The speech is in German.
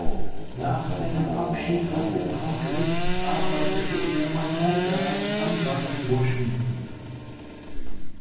Nach seinem Abschied aus dem Kongress arbeitete Omar Conger als Anwalt in Washington.